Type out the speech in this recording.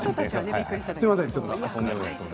すいません。